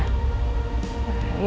oh gak ada ya